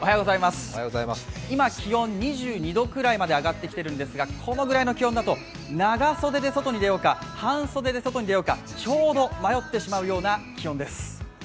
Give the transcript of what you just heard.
今、気温は２２度くらいまで上ってきているんですが、このぐらいの気温だと長袖で外に出ようか半袖で外に出ようか、ちょうど迷ってしまうような気温です。